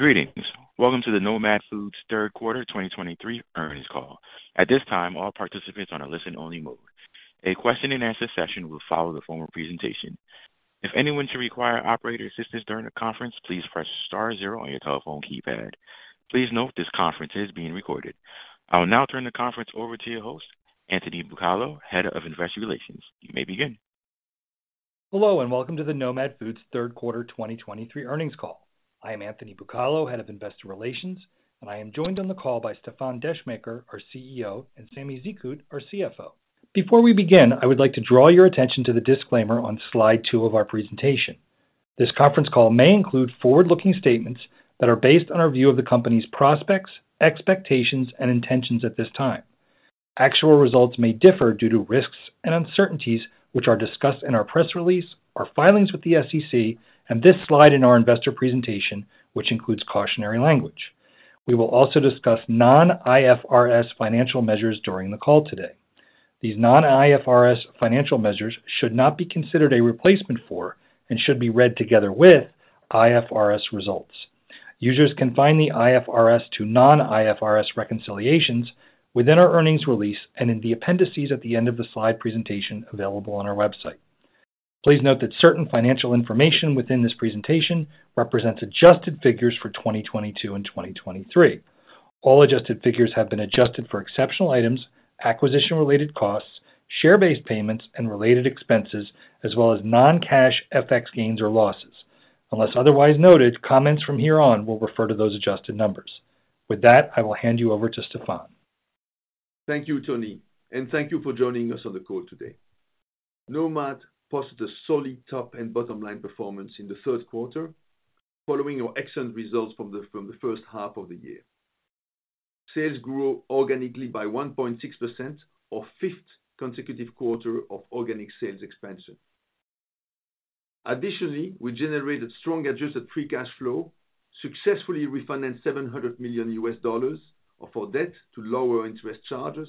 Greetings. Welcome to the Nomad Foods Third Quarter 2023 Earnings Call. At this time, all participants are on a listen-only mode. A question-and-answer session will follow the formal presentation. If anyone should require operator assistance during the conference, please press star zero on your telephone keypad. Please note, this conference is being recorded. I will now turn the conference over to your host, Anthony Bucalo, Head of Investor Relations. You may begin. Hello, and welcome to the Nomad Foods third quarter 2023 earnings call. I am Anthony Bucalo, Head of Investor Relations, and I am joined on the call by Stéfan Descheemaeker, our CEO, and Samy Zekhout, our CFO. Before we begin, I would like to draw your attention to the disclaimer on slide 2 of our presentation. This conference call may include forward-looking statements that are based on our view of the company's prospects, expectations, and intentions at this time. Actual results may differ due to risks and uncertainties, which are discussed in our press release, our filings with the SEC, and this slide in our investor presentation, which includes cautionary language. We will also discuss non-IFRS financial measures during the call today. These non-IFRS financial measures should not be considered a replacement for, and should be read together with, IFRS results. Users can find the IFRS to non-IFRS reconciliations within our earnings release and in the appendices at the end of the slide presentation available on our website. Please note that certain financial information within this presentation represents adjusted figures for 2022 and 2023. All adjusted figures have been adjusted for exceptional items, acquisition-related costs, share-based payments, and related expenses, as well as non-cash FX gains or losses. Unless otherwise noted, comments from here on will refer to those adjusted numbers. With that, I will hand you over to Stéfan. Thank you, Tony, and thank you for joining us on the call today. Nomad posted a solid top and bottom line performance in the third quarter, following our excellent results from the first half of the year. Sales grew organically by 1.6%, our fifth consecutive quarter of organic sales expansion. Additionally, we generated strong adjusted free cash flow, successfully refinanced $700 million of our debt to lower interest charges,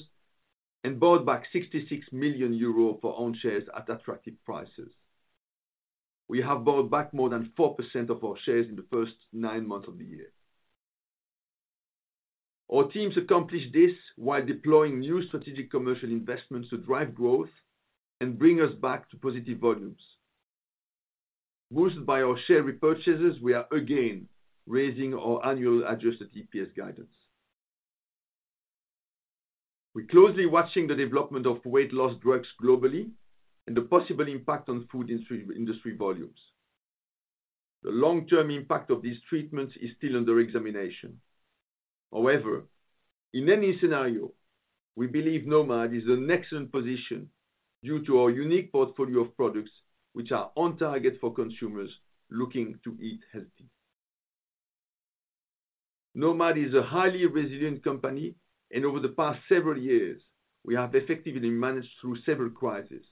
and bought back 66 million euro for own shares at attractive prices. We have bought back more than 4% of our shares in the first nine months of the year. Our teams accomplished this while deploying new strategic commercial investments to drive growth and bring us back to positive volumes. Boosted by our share repurchases, we are again raising our annual adjusted EPS guidance. We're closely watching the development of weight loss drugs globally and the possible impact on food industry volumes. The long-term impact of these treatments is still under examination. However, in any scenario, we believe Nomad Foods is in an excellent position due to our unique portfolio of products, which are on target for consumers looking to eat healthy. Nomad Foods is a highly resilient company, and over the past several years, we have effectively managed through several crises.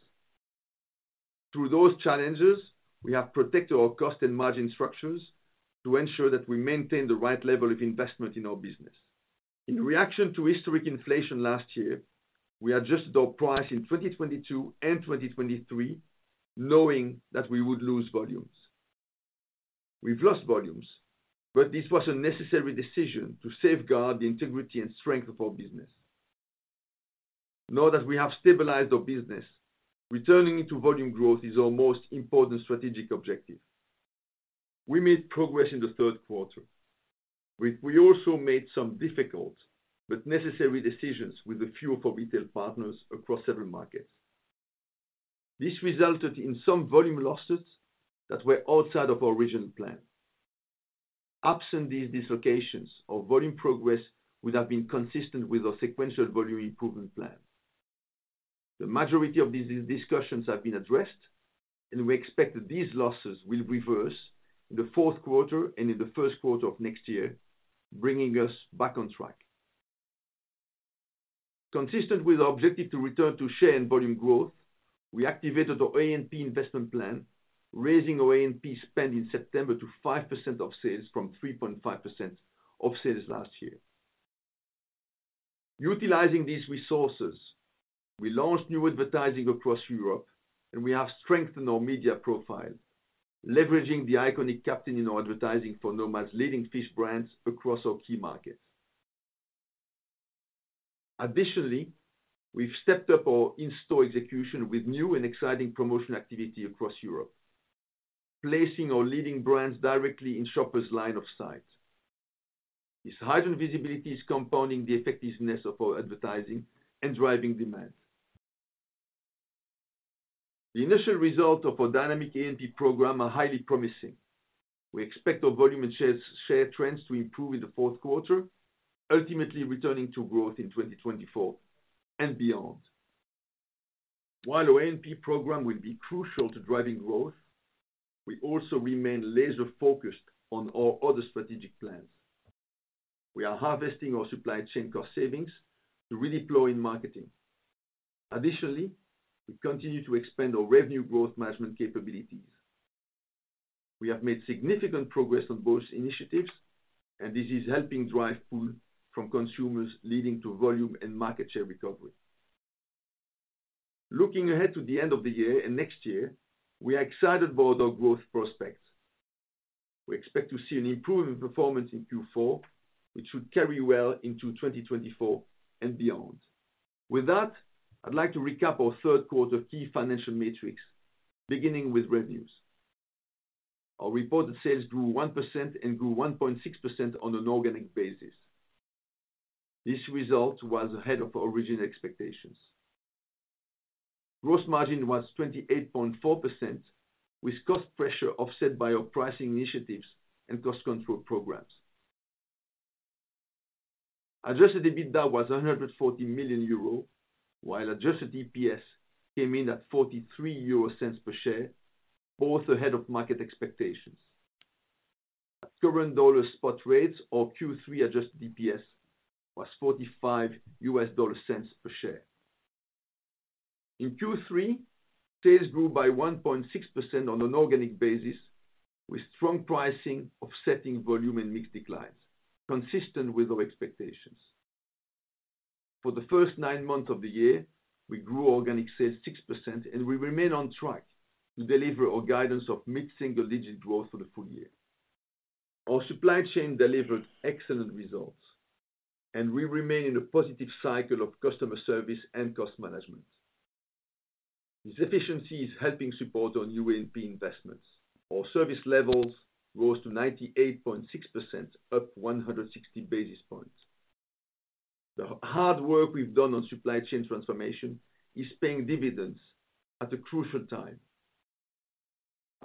Through those challenges, we have protected our cost and margin structures to ensure that we maintain the right level of investment in our business. In reaction to historic inflation last year, we adjusted our price in 2022 and 2023, knowing that we would lose volumes. We've lost volumes, but this was a necessary decision to safeguard the integrity and strength of our business. Now that we have stabilized our business, returning to volume growth is our most important strategic objective. We made progress in the third quarter. We also made some difficult but necessary decisions with a few of our retail partners across several markets. This resulted in some volume losses that were outside of our original plan. Absent these dislocations, our volume progress would have been consistent with our sequential volume improvement plan. The majority of these discussions have been addressed, and we expect that these losses will reverse in the fourth quarter and in the first quarter of next year, bringing us back on track. Consistent with our objective to return to share and volume growth, we activated our A&P investment plan, raising our A&P spend in September to 5% of sales from 3.5% of sales last year. Utilizing these resources, we launched new advertising across Europe, and we have strengthened our media profile, leveraging the iconic Captain in our advertising for Nomad's leading fish brands across our key markets. Additionally, we've stepped up our in-store execution with new and exciting promotional activity across Europe, placing our leading brands directly in shoppers' line of sight. This heightened visibility is compounding the effectiveness of our advertising and driving demand. The initial results of our dynamic A&P program are highly promising. We expect our volume and shares, share trends to improve in the fourth quarter, ultimately returning to growth in 2024 and beyond. While our A&P program will be crucial to driving growth, we also remain laser focused on our other strategic plans. We are harvesting our supply chain cost savings to redeploy in marketing. Additionally, we continue to expand our revenue growth management capabilities. We have made significant progress on both initiatives, and this is helping drive pull from consumers, leading to volume and market share recovery. Looking ahead to the end of the year and next year, we are excited about our growth prospects. We expect to see an improving performance in Q4, which should carry well into 2024 and beyond. With that, I'd like to recap our third quarter key financial metrics, beginning with revenues. Our reported sales grew 1% and grew 1.6% on an organic basis. This result was ahead of our original expectations. Gross margin was 28.4%, with cost pressure offset by our pricing initiatives and cost control programs. Adjusted EBITDA was 140 million euro, while Adjusted EPS came in at 0.43 per share, both ahead of market expectations. At current dollar spot rates, our Q3 adjusted EPS was $0.45 per share. In Q3, sales grew by 1.6% on an organic basis, with strong pricing offsetting volume and mix declines, consistent with our expectations. For the first nine months of the year, we grew organic sales 6%, and we remain on track to deliver our guidance of mid-single-digit growth for the full year. Our supply chain delivered excellent results, and we remain in a positive cycle of customer service and cost management. This efficiency is helping support our A&P hain transformation is paying dividends at a crucial time.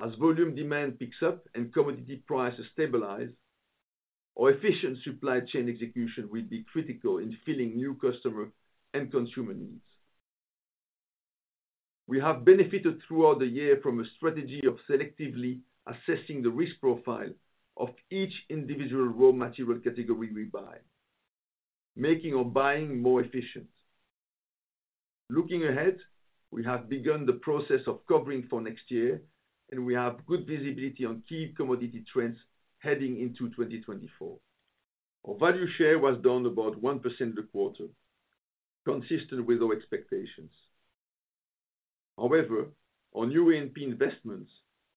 As volume demand picks up and commodity prices stabilize, our efficient supply chain execution will be critical in filling new customer and consumer needs. We have benefited throughout the year from a strategy of selectively assessing the risk profile of each individual raw material category we buy, making our buying more efficient. Looking ahead, we have begun the process of covering for next year, and we have good visibility on key commodity trends heading into 2024. Our value share was down about 1% this quarter, consistent with our expectations. However, our new A&P investments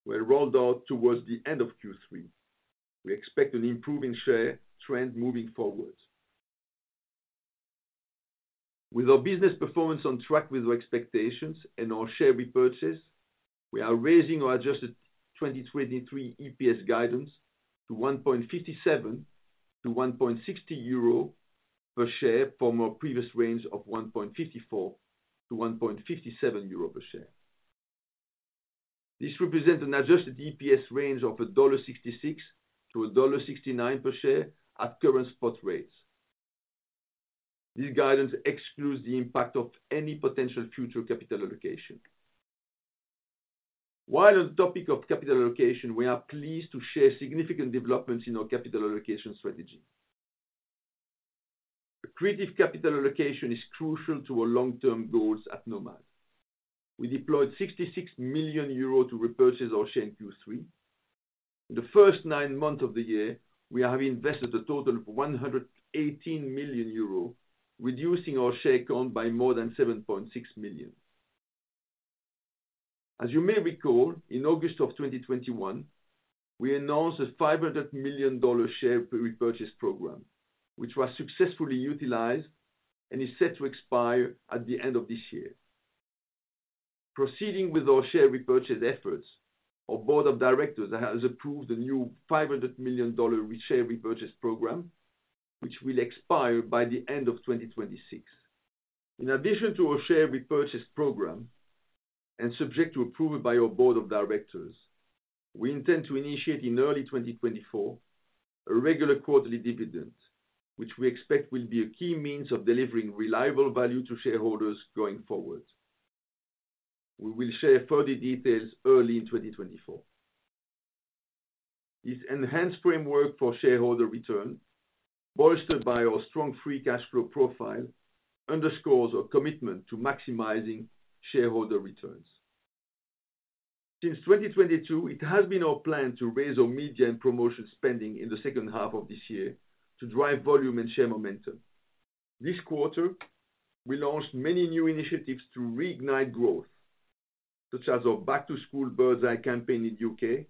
were rolled out towards the end of Q3. We expect an improving share trend moving forward. With our business performance on track with our expectations and our share repurchase, we are raising our adjusted 2023 EPS guidance to 1.57-1.60 euro per share from our previous range of 1.54-1.57 euro per share. This represents an adjusted EPS range of $1.66-$1.69 per share at current spot rates. This guidance excludes the impact of any potential future capital allocation. While on the topic of capital allocation, we are pleased to share significant developments in our capital allocation strategy. Accretive capital allocation is crucial to our long-term goals at Nomad Foods. We deployed 66 million euros to repurchase our share in Q3. In the first nine months of the year, we have invested a total of 118 million euro, reducing our share count by more than 7.6 million. As you may recall, in August of 2021, we announced a $500 million share repurchase program, which was successfully utilized and is set to expire at the end of this year. Proceeding with our share repurchase efforts, our board of directors has approved a new $500 million share repurchase program, which will expire by the end of 2026. In addition to our share repurchase program, and subject to approval by our board of directors, we intend to initiate in early 2024, a regular quarterly dividend, which we expect will be a key means of delivering reliable value to shareholders going forward. We will share further details early in 2024. This enhanced framework for shareholder return, bolstered by our strong free cash flow profile, underscores our commitment to maximizing shareholder returns. Since 2022, it has been our plan to raise our media and promotion spending in the second half of this year to drive volume and share momentum. This quarter, we launched many new initiatives to reignite growth, such as our back-to-school Birds Eye campaign in UK,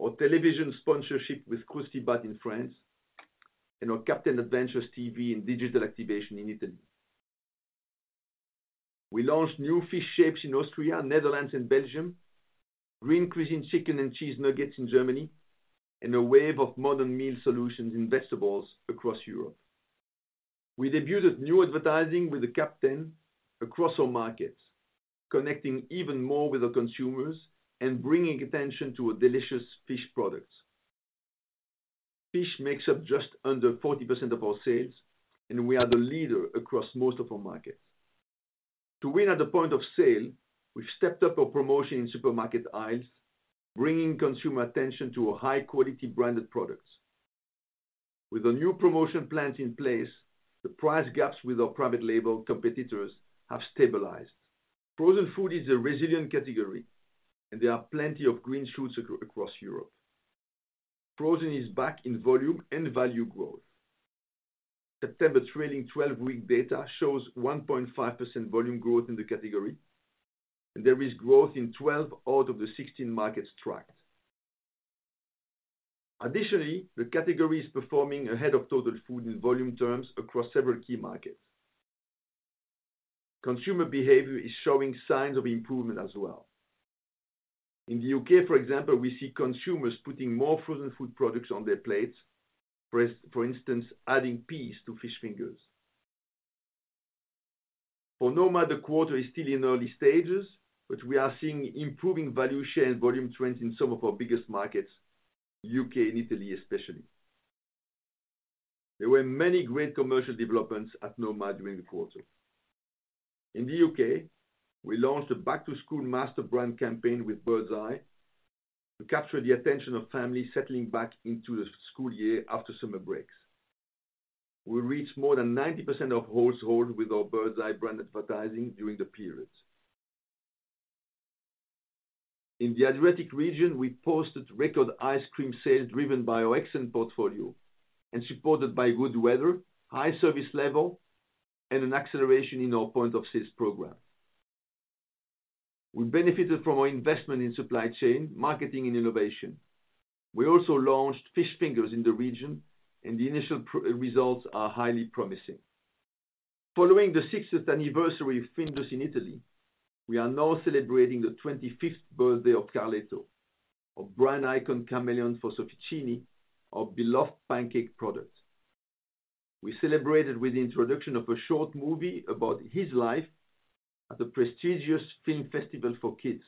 our television sponsorship with Croustibat in France, and our Captain Adventures TV and digital activation in Italy. We launched new fish shapes in Austria, Netherlands, and Belgium, Green Cuisine chicken and cheese nuggets in Germany, and a wave of modern meal solutions in vegetables across Europe. We debuted new advertising with the captain across our markets, connecting even more with our consumers and bringing attention to our delicious fish products. Fish makes up just under 40% of our sales, and we are the leader across most of our markets. To win at the point of sale, we've stepped up our promotion in supermarket aisles, bringing consumer attention to our high-quality branded products. With a new promotion plan in place, the price gaps with our private label competitors have stabilized. Frozen food is a resilient category, and there are plenty of green shoots across Europe. Frozen is back in volume and value growth.... September trailing 12-week data shows 1.5% volume growth in the category, and there is growth in 12 out of the 16 markets tracked. Additionally, the category is performing ahead of total food in volume terms across several key markets. Consumer behavior is showing signs of improvement as well. In the UK, for example, we see consumers putting more frozen food products on their plates, for instance, adding peas to fish fingers. For Nomad, the quarter is still in early stages, but we are seeing improving value share and volume trends in some of our biggest markets, UK and Italy especially. There were many great commercial developments at Nomad during the quarter. In the UK, we launched a back-to-school master brand campaign with Birds Eye to capture the attention of families settling back into the school year after summer breaks. We reached more than 90% of households with our Birds Eye brand advertising during the period. In the Adriatic region, we posted record ice cream sales, driven by our excellent portfolio and supported by good weather, high service level, and an acceleration in our point-of-sales program. We benefited from our investment in supply chain, marketing, and innovation. We also launched fish fingers in the region, and the initial results are highly promising. Following the 60th anniversary of Findus in Italy, we are now celebrating the 25th birthday of Carletto, our brand icon chameleon for Sofficini, our beloved pancake product. We celebrated with the introduction of a short movie about his life at the prestigious film festival for kids,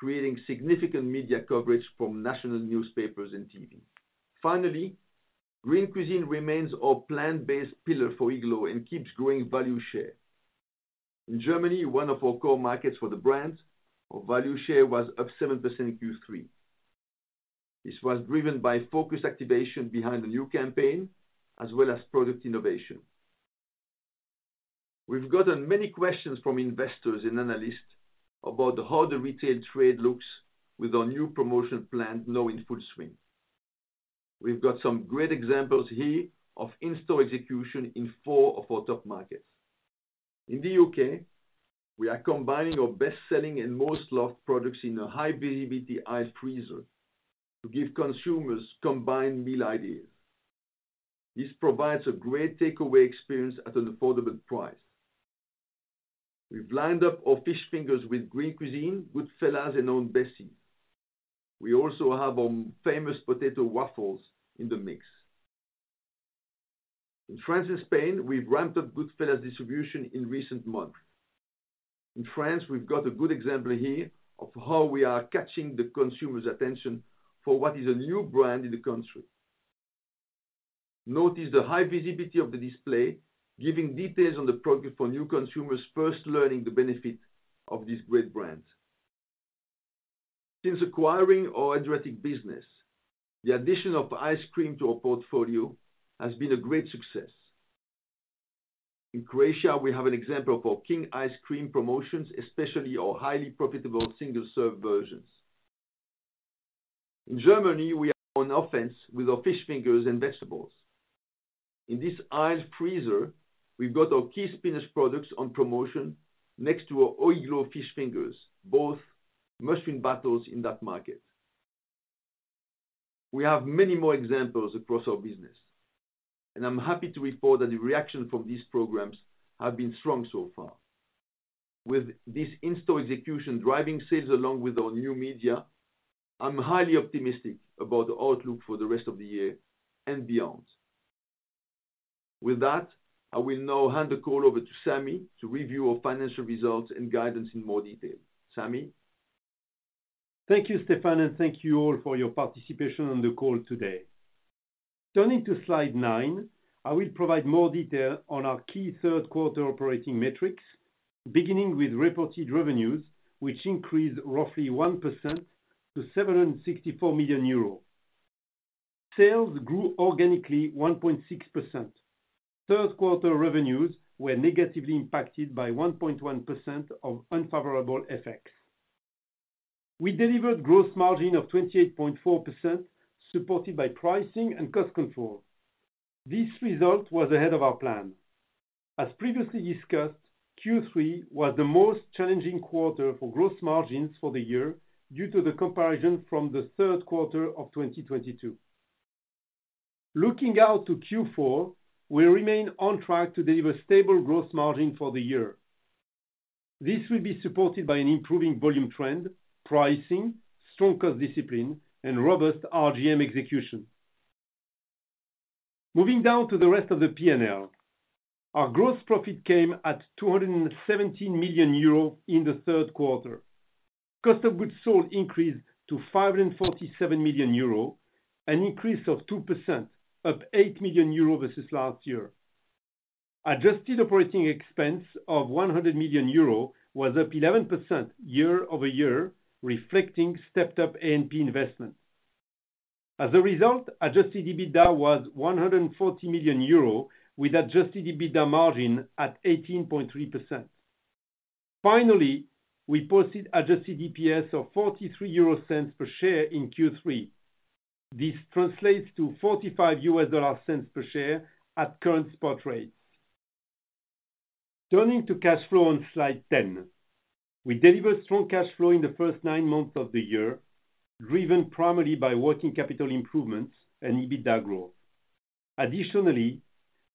creating significant media coverage from national newspapers and TV. Finally, Green Cuisine remains our plant-based pillar for Iglo and keeps growing value share. In Germany, one of our core markets for the brand, our value share was up 7% in Q3. This was driven by focused activation behind the new campaign, as well as product innovation. We've gotten many questions from investors and analysts about how the retail trade looks with our new promotion plan now in full swing. We've got some great examples here of in-store execution in four of our top markets. In the UK, we are combining our best-selling and most-loved products in a high-visibility ice freezer to give consumers combined meal ideas. This provides a great takeaway experience at an affordable price. We've lined up our fish fingers with Green Cuisine, Goodfella's, and Aunt Bessie's. We also have our famous potato waffles in the mix. In France and Spain, we've ramped up Goodfella's distribution in recent months. In France, we've got a good example here of how we are catching the consumer's attention for what is a new brand in the country. Notice the high visibility of the display, giving details on the product for new consumers first learning the benefit of this great brand. Since acquiring our Adriatic business, the addition of ice cream to our portfolio has been a great success. In Croatia, we have an example of our King ice cream promotions, especially our highly profitable single-serve versions. In Germany, we are on offense with our fish fingers and vegetables. In this ice freezer, we've got our key spinach products on promotion next to our iglo fish fingers, both must-win battles in that market. We have many more examples across our business, and I'm happy to report that the reaction from these programs have been strong so far. With this in-store execution driving sales along with our new media, I'm highly optimistic about the outlook for the rest of the year and beyond. With that, I will now hand the call over to Samy to review our financial results and guidance in more detail. Samy? Thank you, Stéfan, and thank you all for your participation on the call today. Turning to slide 9, I will provide more detail on our key third quarter operating metrics, beginning with reported revenues, which increased roughly 1% to 764 million euros. Sales grew organically 1.6%. Third quarter revenues were negatively impacted by 1.1% of unfavorable FX. We delivered gross margin of 28.4%, supported by pricing and cost control. This result was ahead of our plan. As previously discussed, Q3 was the most challenging quarter for gross margins for the year due to the comparison from the third quarter of 2022. Looking out to Q4, we remain on track to deliver stable gross margin for the year. This will be supported by an improving volume trend, pricing, strong cost discipline, and robust RGM execution. Moving down to the rest of the P&L, our gross profit came at 217 million euro in the third quarter. Cost of goods sold increased to 547 million euro, an increase of 2%, up 8 million euro versus last year. Adjusted operating expense of 100 million euro was up 11% year-over-year, reflecting stepped up A&P investment. As a result, adjusted EBITDA was 140 million euro, with adjusted EBITDA margin at 18.3%.... Finally, we posted adjusted EPS of 0.43 EUR per share in Q3. This translates to $0.45 per share at current spot rates. Turning to cash flow on slide 10. We delivered strong cash flow in the first nine months of the year, driven primarily by working capital improvements and EBITDA growth. Additionally,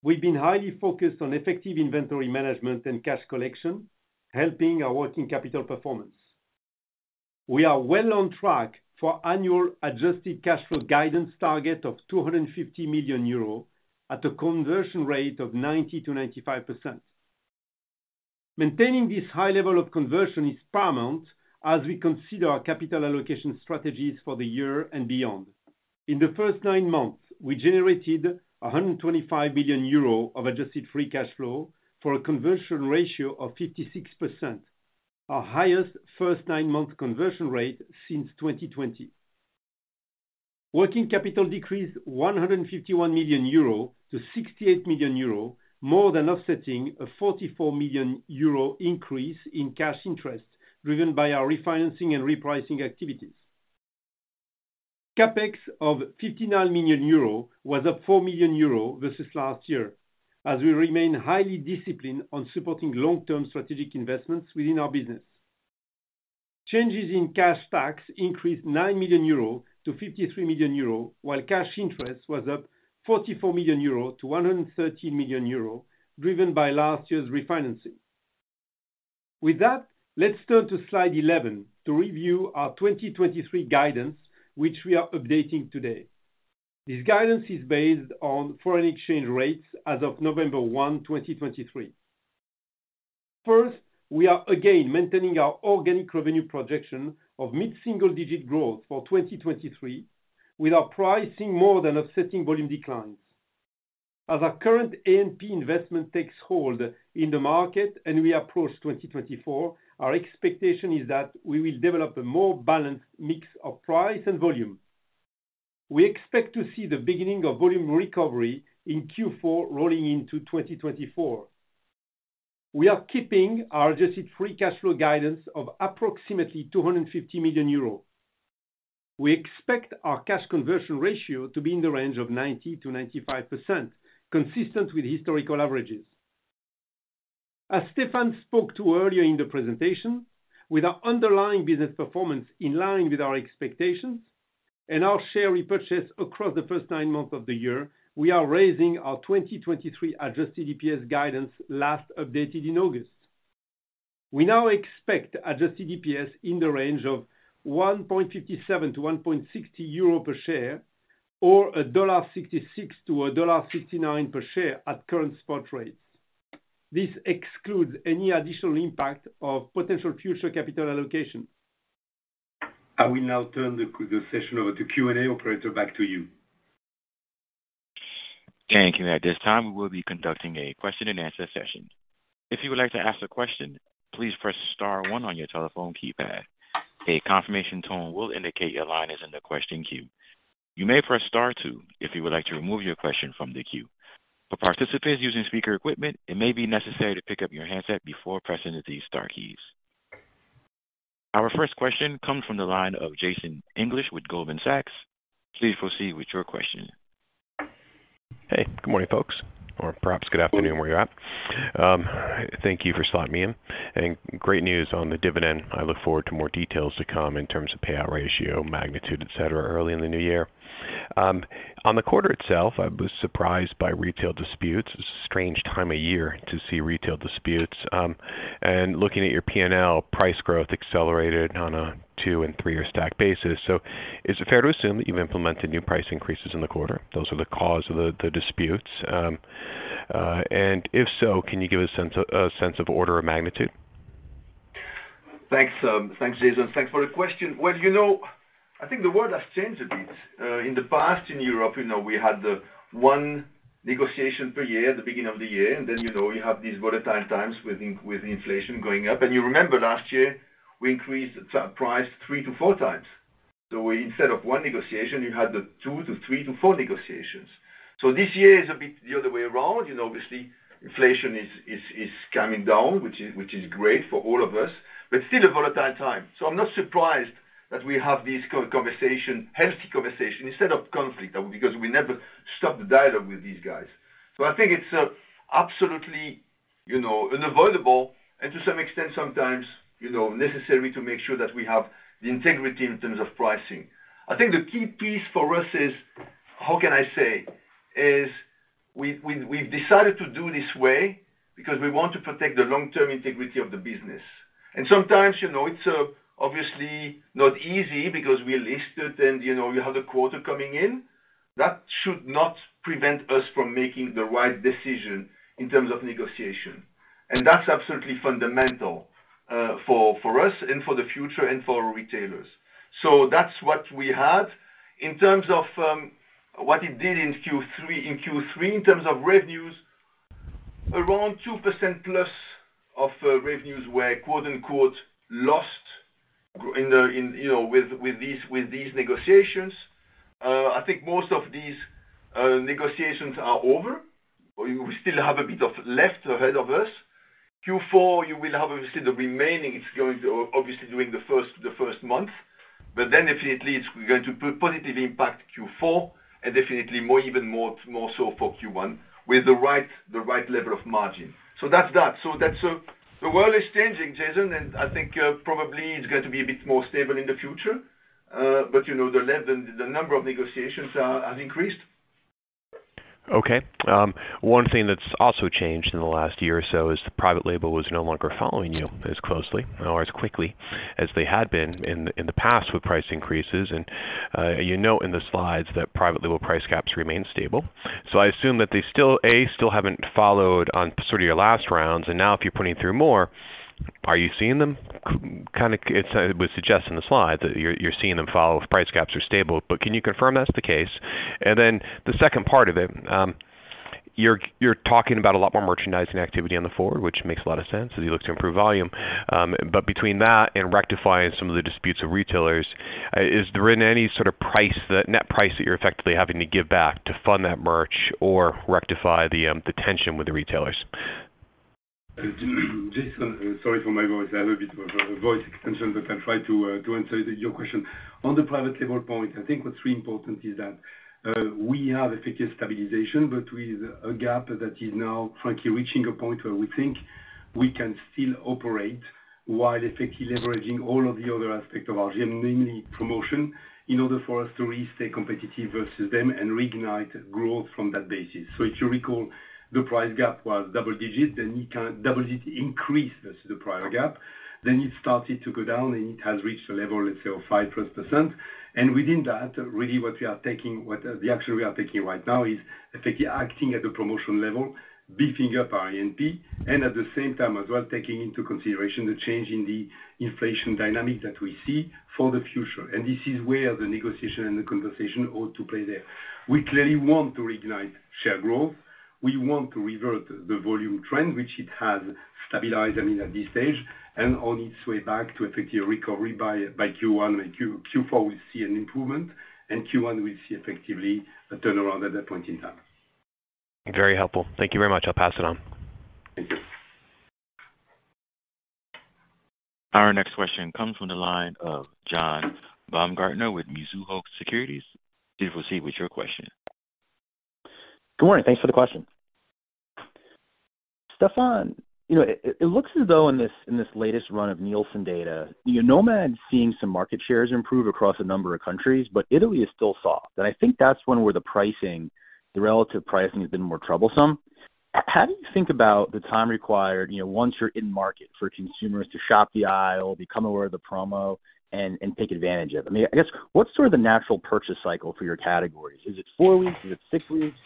we've been highly focused on effective inventory management and cash collection, helping our working capital performance. We are well on track for annual adjusted cash flow guidance target of 250 million euro, at a conversion rate of 90%-95%. Maintaining this high level of conversion is paramount as we consider our capital allocation strategies for the year and beyond. In the first nine months, we generated 125 million euro of adjusted free cash flow for a conversion ratio of 56%, our highest first nine-month conversion rate since 2020. Working capital decreased 151 million euro to 68 million euro, more than offsetting a 44 million euro increase in cash interest, driven by our refinancing and repricing activities. CapEx of 59 million euro was up 4 million euro versus last year, as we remain highly disciplined on supporting long-term strategic investments within our business. Changes in cash tax increased 9 million euro to 53 million euro, while cash interest was up 44 million euro to 113 million euro, driven by last year's refinancing. With that, let's turn to slide 11 to review our 2023 guidance, which we are updating today. This guidance is based on foreign exchange rates as of November 1, 2023. First, we are again maintaining our organic revenue projection of mid-single-digit growth for 2023, with our pricing more than offsetting volume declines. As our current ANP investment takes hold in the market and we approach 2024, our expectation is that we will develop a more balanced mix of price and volume. We expect to see the beginning of volume recovery in Q4 rolling into 2024. We are keeping our adjusted free cash flow guidance of approximately 250 million euros. We expect our cash conversion ratio to be in the range of 90%-95%, consistent with historical averages. As Stéfan spoke to earlier in the presentation, with our underlying business performance in line with our expectations and our share repurchase across the first nine months of the year, we are raising our 2023 adjusted EPS guidance, last updated in August. We now expect adjusted EPS in the range of 1.57-1.60 euro per share, or $1.66-$1.69 per share at current spot rates. This excludes any additional impact of potential future capital allocation. I will now turn the session over to Q&A. Operator, back to you. Thank you. At this time, we will be conducting a question and answer session. If you would like to ask a question, please press star one on your telephone keypad. A confirmation tone will indicate your line is in the question queue. You may press star two if you would like to remove your question from the queue. For participants using speaker equipment, it may be necessary to pick up your handset before pressing these star keys. Our first question comes from the line of Jason English with Goldman Sachs. Please proceed with your question. Hey, good morning, folks, or perhaps good afternoon, where you're at. Thank you for slotting me in. Great news on the dividend. I look forward to more details to come in terms of payout ratio, magnitude, et cetera, early in the new year. On the quarter itself, I was surprised by retail disputes. It's a strange time of year to see retail disputes. Looking at your PNL, price growth accelerated on a 2- and 3-year stack basis. So is it fair to assume that you've implemented new price increases in the quarter? Those are the cause of the disputes. If so, can you give a sense of order or magnitude? Thanks, thanks, Jason. Thanks for the question. Well, you know, I think the world has changed a bit. In the past, in Europe, you know, we had the one negotiation per year at the beginning of the year, and then, you know, you have these volatile times with with inflation going up. And you remember last year, we increased the price three to four times. So we instead of one negotiation, you had the two to three to four negotiations. So this year is a bit the other way around. You know, obviously, inflation is, is, is coming down, which is, which is great for all of us, but still a volatile time. So I'm not surprised that we have this conversation, healthy conversation, instead of conflict, because we never stop the dialogue with these guys. So I think it's absolutely, you know, unavoidable and to some extent, sometimes, you know, necessary to make sure that we have the integrity in terms of pricing. I think the key piece for us is, how can I say? We've decided to do this way because we want to protect the long-term integrity of the business. And sometimes, you know, it's obviously not easy because we're listed and, you know, you have the quarter coming in. That should not prevent us from making the right decision in terms of negotiation. And that's absolutely fundamental for us and for the future and for retailers. So that's what we had. In terms of what it did in Q3, in Q3, in terms of revenues, around 2% plus of revenues were "lost. ... in you know, with these negotiations, I think most of these negotiations are over, or we still have a bit left ahead of us. Q4, you will have obviously the remaining, it's going to obviously during the first month, but then definitely it's going to put positive impact Q4 and definitely more, even more so for Q1 with the right level of margin. So that's that. So that's the world is changing, Jason, and I think probably it's going to be a bit more stable in the future, but you know, the level, the number of negotiations have increased. Okay. One thing that's also changed in the last year or so is the Private Label was no longer following you as closely or as quickly as they had been in the past with price increases. And you note in the slides that Private Label price gaps remain stable. So I assume that they still haven't followed on sort of your last rounds, and now if you're putting through more, are you seeing them? Kind of, it would suggest in the slide that you're seeing them follow if price gaps are stable, but can you confirm that's the case? And then the second part of it, you're talking about a lot more merchandising activity on the forward, which makes a lot of sense as you look to improve volume. But between that and rectifying some of the disputes of retailers, is there any sort of price, the net price that you're effectively having to give back to fund that merch or rectify the tension with the retailers? Jason, sorry for my voice. I have a bit of a voice extension, but I'll try to answer your question. On the private label point, I think what's really important is that we have effective stabilization, but with a gap that is now frankly reaching a point where we think we can still operate while effectively leveraging all of the other aspects of our GM, namely promotion, in order for us to stay competitive versus them and reignite growth from that basis. So if you recall, the price gap was double digits, then you can double digit increase versus the prior gap. Then it started to go down, and it has reached a level, let's say, of 5%+. Within that, really, what we are taking, what the action we are taking right now is effectively acting at the promotional level, beefing up our A&P, and at the same time, as well, taking into consideration the change in the inflation dynamic that we see for the future. This is where the negotiation and the conversation ought to play there. We clearly want to reignite share growth. We want to revert the volume trend, which it has stabilized, I mean, at this stage, and on its way back to effectively a recovery by Q1. Q4, we see an improvement, and Q1, we see effectively a turnaround at that point in time. Very helpful. Thank you very much. I'll pass it on. Thank you. Our next question comes from the line of John Baumgartner with Mizuho Securities. Please proceed with your question. Good morning. Thanks for the question. Stéfan, you know, it looks as though in this latest run of Nielsen data, you know, Nomad seeing some market shares improve across a number of countries, but Italy is still soft, and I think that's when where the pricing, the relative pricing has been more troublesome. How do you think about the time required, you know, once you're in market for consumers to shop the aisle, become aware of the promo and take advantage of it? I mean, I guess what's sort of the natural purchase cycle for your categories? Is it four weeks? Is it six weeks?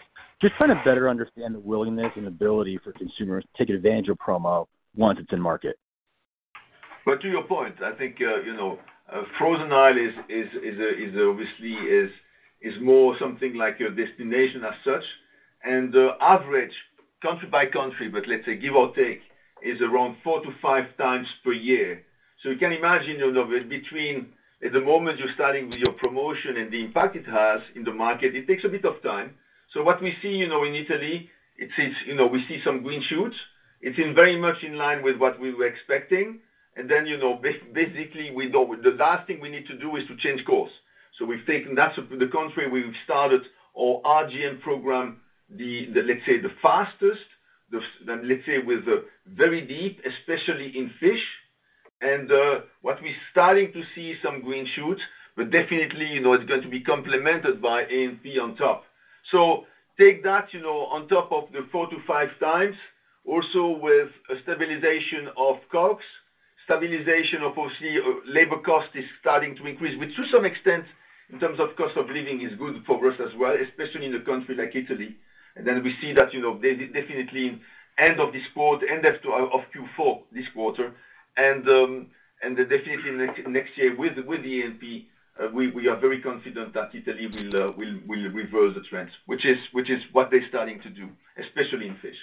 Just try to better understand the willingness and ability for consumers to take advantage of promo once it's in market. But to your point, I think, you know, frozen aisle is obviously more something like your destination as such, and average country by country, but let's say give or take, is around 4-5 times per year. So you can imagine, you know, between the moment you're starting with your promotion and the impact it has in the market, it takes a bit of time. So what we see, you know, in Italy, it is, you know, we see some green shoots. It's very much in line with what we were expecting. And then, you know, basically, we know the last thing we need to do is to change course. So we've taken that to the country, we've started our RGM program, the, let's say, the fastest, the, let's say, with a very deep, especially in fish. What we're starting to see some green shoots, but definitely, you know, it's going to be complemented by A&P on top. So take that, you know, on top of the 4-5 times, also with a stabilization of costs, stabilization of obviously, labor cost is starting to increase, but to some extent, in terms of cost of living, is good for us as well, especially in a country like Italy. And then we see that, you know, definitely end of this quarter, end of Q4, this quarter, and, and definitely next, next year with, with the A&P, we, we are very confident that Italy will, will, will reverse the trends, which is, which is what they're starting to do, especially in fish.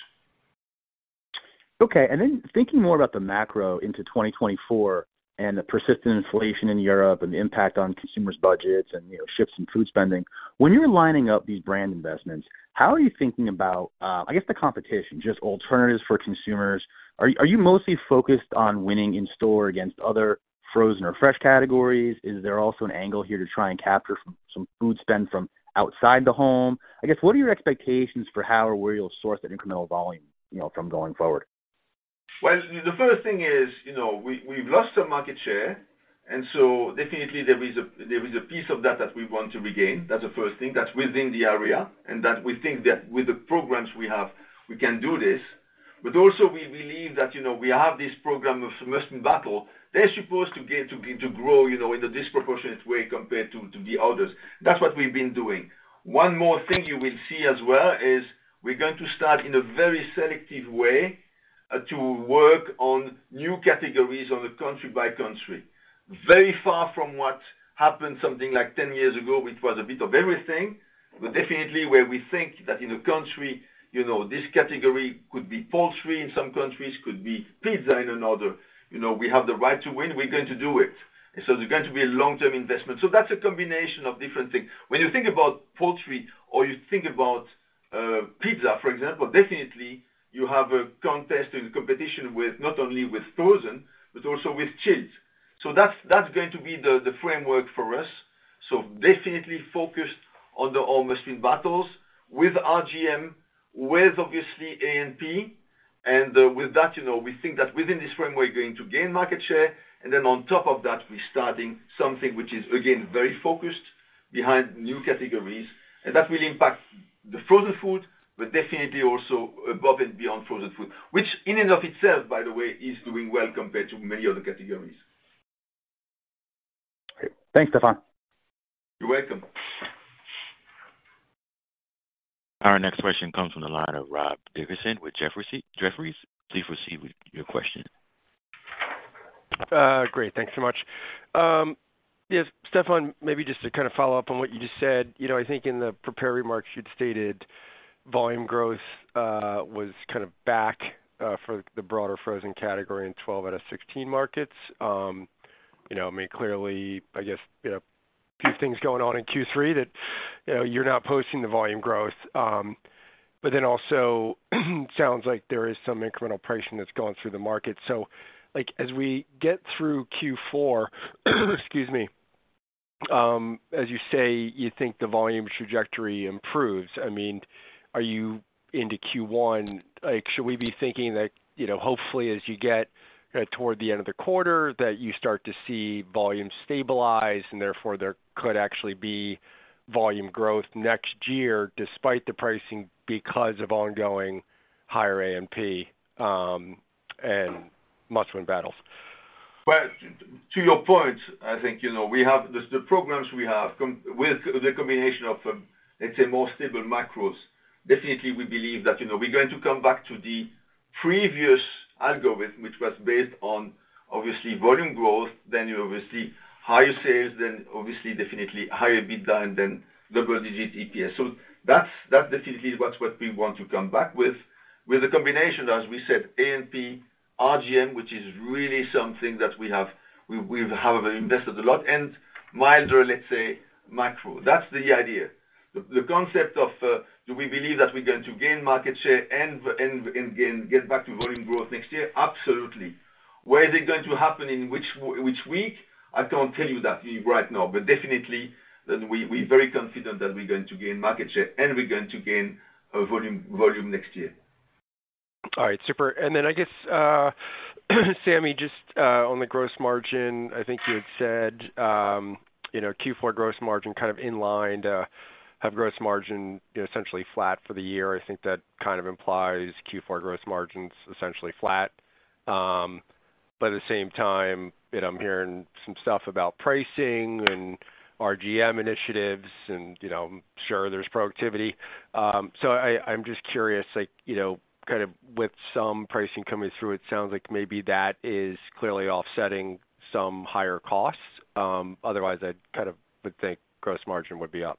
Okay, and then thinking more about the macro into 2024 and the persistent inflation in Europe and the impact on consumers' budgets and, you know, shifts in food spending. When you're lining up these brand investments, how are you thinking about, I guess, the competition, just alternatives for consumers? Are you mostly focused on winning in store against other frozen or fresh categories? Is there also an angle here to try and capture some food spend from outside the home? I guess, what are your expectations for how or where you'll source that incremental volume, you know, from going forward? Well, the first thing is, you know, we've lost some market share, and so definitely there is a piece of that that we want to regain. That's the first thing. That's within the area, and we think that with the programs we have, we can do this. But also we believe that, you know, we have this program of Must-Win Battles. They're supposed to grow, you know, in a disproportionate way compared to the others. That's what we've been doing. One more thing you will see as well is we're going to start in a very selective way to work on new categories on a country by country. Very far from what happened something like 10 years ago, which was a bit of everything, but definitely where we think that in a country, you know, this category could be poultry in some countries, could be pizza in another. You know, we have the right to win, we're going to do it. So there's going to be a long-term investment. So that's a combination of different things. When you think about poultry or you think about pizza, for example, definitely you have a contest and competition with not only with frozen, but also with chilled. So that's going to be the framework for us. So definitely focused on all Must-Win Battles with RGM, with obviously AMP. With that, you know, we think that within this framework, we're going to gain market share, and then on top of that, we're starting something which is, again, very focused behind new categories. And that will impact the frozen food, but definitely also above and beyond frozen food, which in and of itself, by the way, is doing well compared to many other categories. Great. Thanks, Stéfan. You're welcome. Our next question comes from the line of Rob Dickerson with Jefferies. Please proceed with your question. Great, thanks so much. Yes, Stéfan, maybe just to kind of follow up on what you just said, you know, I think in the prepared remarks, you'd stated volume growth was kind of back for the broader frozen category in 12 out of 16 markets. You know, I mean, clearly, I guess, a few things going on in Q3 that, you know, you're not posting the volume growth, but then also, sounds like there is some incremental pricing that's gone through the market. So like, as we get through Q4, excuse me, as you say, you think the volume trajectory improves. I mean, are you into Q1? Like, should we be thinking that, you know, hopefully, as you get toward the end of the quarter, that you start to see volume stabilize, and therefore there could actually be volume growth next year despite the pricing, because of ongoing higher A&P, and Must-Win Battles? Well, to your point, I think, you know, we have the programs we have come with the combination of, let's say, more stable macros. Definitely, we believe that, you know, we're going to come back to the previous algorithm, which was based on obviously, volume growth, then obviously higher sales, then obviously definitely higher mid-teens double-digit EPS. So that's definitely what we want to come back with. With a combination, as we said, A&P, RGM, which is really something that we have, we've however invested a lot in milder, let's say, macro. That's the idea. The concept of, do we believe that we're going to gain market share and get back to volume growth next year? Absolutely. Where is it going to happen, in which week? I can't tell you that right now, but definitely that we're very confident that we're going to gain market share and we're going to gain volume next year. All right, super. And then I guess, Sammy, just on the gross margin, I think you had said, you know, Q4 gross margin kind of in line to have gross margin, essentially flat for the year. I think that kind of implies Q4 gross margins, essentially flat. But at the same time, you know, I'm hearing some stuff about pricing and RGM initiatives and, you know, I'm sure there's productivity. So I, I'm just curious, like, you know, kind of with some pricing coming through, it sounds like maybe that is clearly offsetting some higher costs. Otherwise, I'd kind of would think gross margin would be up.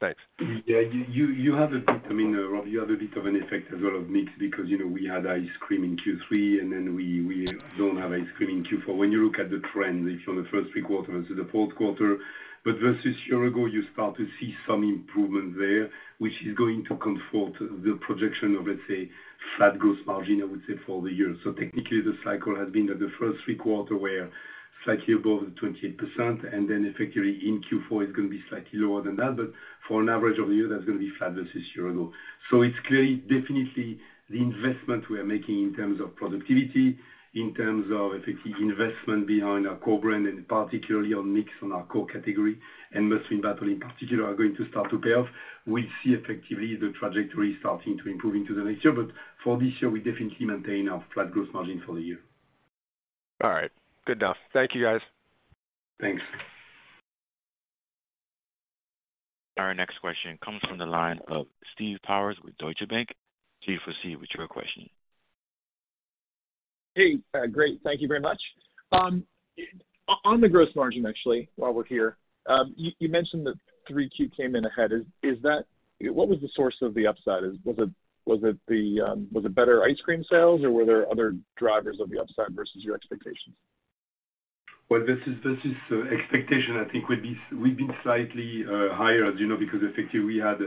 Thanks. Yeah, you have a bit, I mean, Rob, you have a bit of an effect as well of mix, because, you know, we had ice cream in Q3, and then we don't have ice cream in Q4. When you look at the trend, if on the first three quarters into the fourth quarter, but versus year ago, you start to see some improvement there, which is going to comfort the projection of, let's say, flat gross margin, I would say, for the year. So technically, the cycle has been that the first three quarters were slightly above the 28%, and then effectively in Q4, it's going to be slightly lower than that, but for an average of the year, that's going to be flat versus year ago. It's clearly, definitely the investment we are making in terms of productivity, in terms of effective investment behind our core brand, and particularly on mix on our core category, and Must-Win Battle in particular, are going to start to pay off. We'll see effectively the trajectory starting to improve into the next year, but for this year, we definitely maintain our flat Gross Margin for the year. All right. Good enough. Thank you, guys. Thanks. Our next question comes from the line of Steve Powers with Deutsche Bank. Steve, proceed with your question. Hey, great. Thank you very much. On the gross margin, actually, while we're here, you, you mentioned that 3Q came in ahead. Is that... What was the source of the upside? Was it, was it the, was it better ice cream sales, or were there other drivers of the upside versus your expectations? Well, versus expectation, I think we've been slightly higher, as you know, because effectively, we had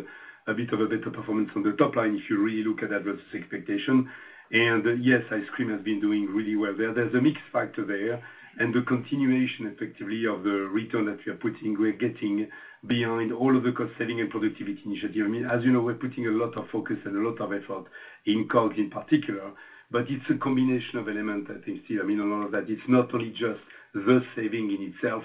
a bit of a better performance on the top line, if you really look at that versus expectation. And yes, ice cream has been doing really well there. There's a mix factor there, and the continuation, effectively, of the return that we are putting—we're getting behind all of the cost saving and productivity initiative. I mean, as you know, we're putting a lot of focus and a lot of effort in COG in particular, but it's a combination of elements, I think, Steve. I mean, a lot of that, it's not only just the saving in itself,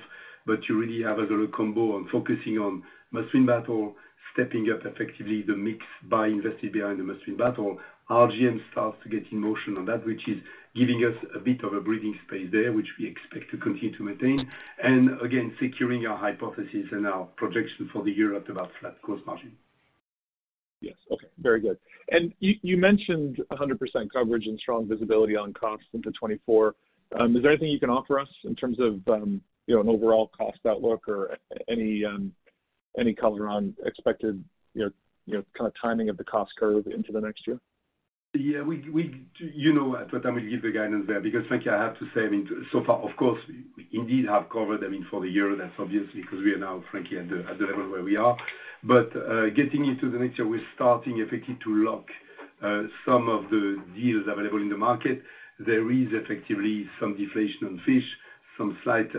but you really have a combo on focusing on must-win battle, stepping up effectively the mix by investing behind the must-win battle. RGM starts to get in motion on that, which is giving us a bit of a breathing space there, which we expect to continue to maintain, and again, securing our hypothesis and our projection for the year at about flat cost margin. ... Yes. Okay, very good. And you, you mentioned 100% coverage and strong visibility on costs into 2024. Is there anything you can offer us in terms of, you know, an overall cost outlook or any, any color on expected, you know, you know, kind of timing of the cost curve into the next year? Yeah, we you know at what time we give the guidance there, because frankly, I have to say, I mean, so far, of course, we indeed have covered, I mean, for the year, that's obviously, 'cause we are now, frankly, at the level where we are. But getting into the next year, we're starting effectively to lock some of the deals available in the market. There is effectively some deflation on fish, some slight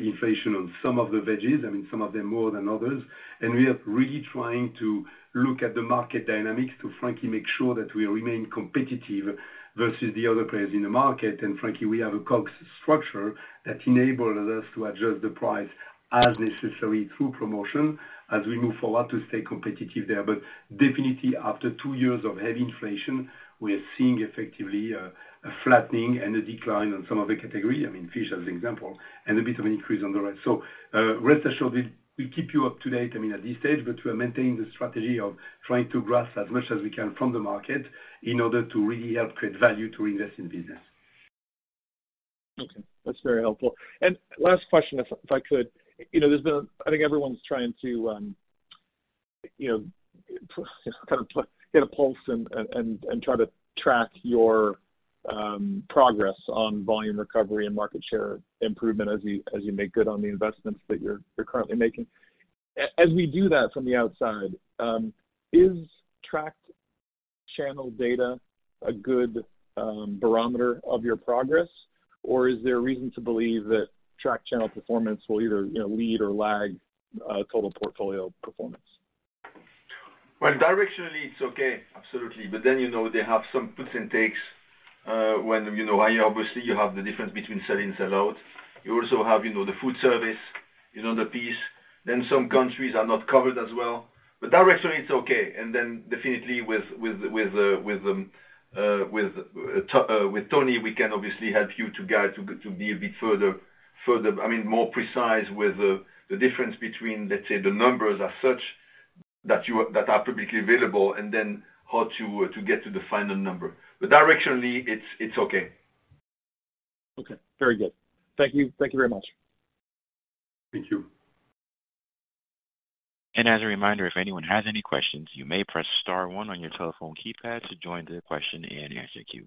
inflation on some of the veggies, I mean, some of them more than others. And we are really trying to look at the market dynamics to frankly make sure that we remain competitive versus the other players in the market. And frankly, we have a cost structure that enables us to adjust the price as necessary through promotion as we move forward to stay competitive there. But definitely after two years of heavy inflation, we are seeing effectively a flattening and a decline on some of the category, I mean, fish as an example, and a bit of an increase on the right. So, rest assured, we, we'll keep you up to date, I mean, at this stage, but we are maintaining the strategy of trying to grasp as much as we can from the market in order to really help create value to invest in business. Okay, that's very helpful. And last question, if I could. You know, there's been a... I think everyone's trying to, you know, kind of get a pulse and try to track your progress on volume recovery and market share improvement as you make good on the investments that you're currently making. As we do that from the outside, is tracked channel data a good barometer of your progress, or is there a reason to believe that track channel performance will either, you know, lead or lag total portfolio performance? Well, directionally it's okay, absolutely. But then, you know, they have some puts and takes, when, you know, obviously you have the difference between sell in, sell out. You also have, you know, the food service, you know, the piece. Then some countries are not covered as well. But directionally it's okay, and then definitely with Tony, we can obviously help you to guide, to be a bit further, I mean, more precise with the difference between, let's say, the numbers as such that are publicly available, and then how to get to the final number. But directionally, it's okay. Okay, very good. Thank you. Thank you very much. Thank you. As a reminder, if anyone has any questions, you may press star one on your telephone keypad to join the question and answer queue.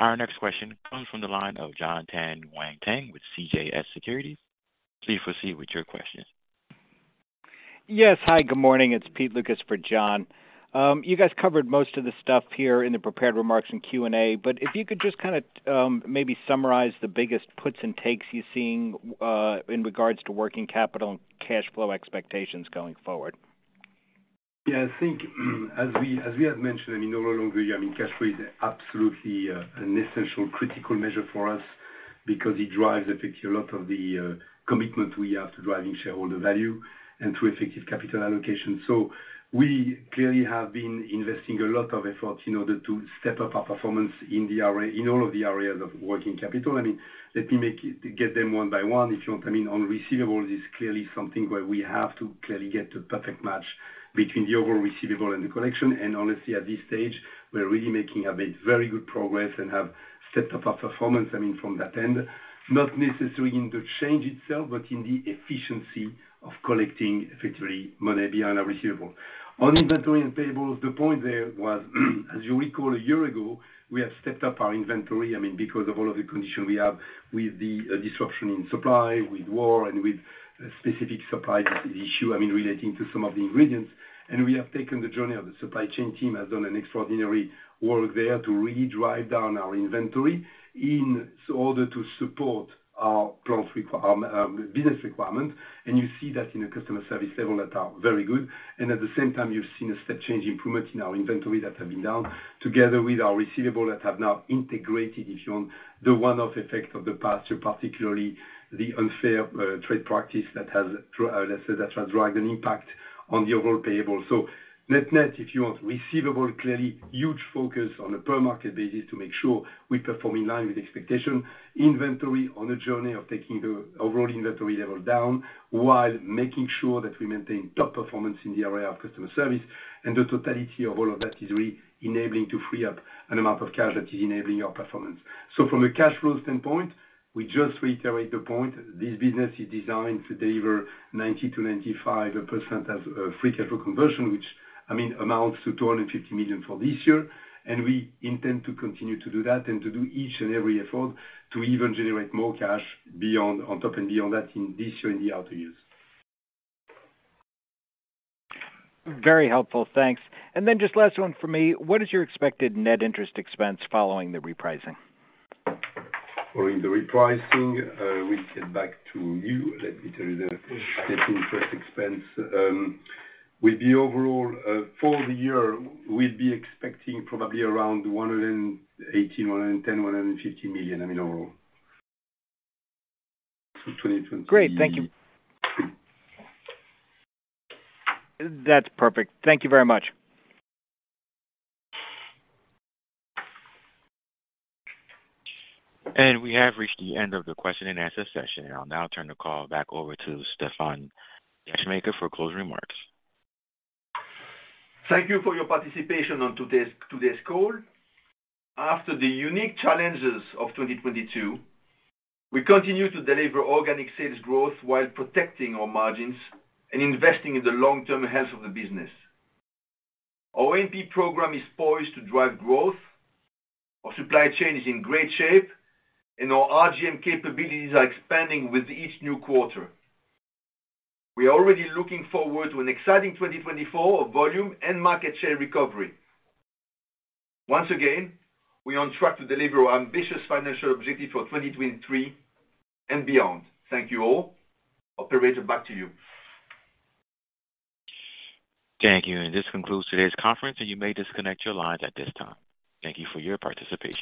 Our next question comes from the line of Jon Tanwanteng with CJS Securities. Please proceed with your questions. Yes. Hi, good morning. It's Pete Lucas for John. You guys covered most of the stuff here in the prepared remarks in Q&A, but if you could just kind of maybe summarize the biggest puts and takes you're seeing in regards to working capital and cash flow expectations going forward. Yeah, I think, as we, as we have mentioned, I mean, over a longer year, I mean, cash flow is absolutely an essential critical measure for us because it drives effectively a lot of the commitment we have to driving shareholder value and through effective capital allocation. So we clearly have been investing a lot of effort in order to step up our performance in the area, in all of the areas of working capital. I mean, let me make it, get them one by one, if you want. I mean, on receivables, it's clearly something where we have to clearly get to perfect match between the overall receivable and the collection. And honestly, at this stage, we're really making a very good progress and have stepped up our performance, I mean, from that end. Not necessarily in the change itself, but in the efficiency of collecting effectively money behind our receivable. On inventory and payables, the point there was, as you recall, a year ago, we have stepped up our inventory, I mean, because of all of the conditions we have with the disruption in supply, with war and with specific supply issue, I mean, relating to some of the ingredients. And we have taken the journey, and the supply chain team has done an extraordinary work there to really drive down our inventory in order to support our growth require, business requirements. And you see that in the customer service level that are very good, and at the same time, you've seen a step change improvement in our inventory that have been down, together with our receivable that have now integrated, if you want, the one-off effect of the past year, particularly the unfair trade practice that has, let's say, driven an impact on the overall payable. So net-net, if you want, receivable, clearly huge focus on a per market basis to make sure we perform in line with expectation. Inventory on a journey of taking the overall inventory level down, while making sure that we maintain top performance in the area of customer service. And the totality of all of that is really enabling to free up an amount of cash that is enabling our performance. So from a cash flow standpoint, we just reiterate the point. This business is designed to deliver 90%-95% as free cash flow conversion, which, I mean, amounts to 250 million for this year. And we intend to continue to do that and to do each and every effort to even generate more cash beyond, on top and beyond that in this year and the out years. Very helpful, thanks. And then just last one for me. What is your expected net interest expense following the repricing? Following the repricing, we'll get back to you. Let me tell you the interest expense. With the overall, for the year, we'd be expecting probably around 180 million, 110 million, 150 million, I mean, overall. So twenty- Great. Thank you. That's perfect. Thank you very much. We have reached the end of the question and answer session, and I'll now turn the call back over to Stéfan Descheemaeker for closing remarks. Thank you for your participation on today's call. After the unique challenges of 2022, we continue to deliver organic sales growth while protecting our margins and investing in the long-term health of the business. Our MP program is poised to drive growth, our supply chain is in great shape, and our RGM capabilities are expanding with each new quarter. We are already looking forward to an exciting 2024 of volume and market share recovery. Once again, we are on track to deliver our ambitious financial objective for 2023 and beyond. Thank you all. Operator, back to you. Thank you, and this concludes today's conference, and you may disconnect your lines at this time. Thank you for your participation.